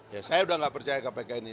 ya saya udah gak percaya kpk ini